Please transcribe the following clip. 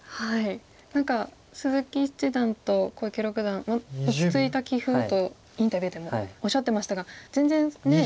何か鈴木七段と小池六段落ち着いた棋風とインタビューでもおっしゃってましたが全然ねえ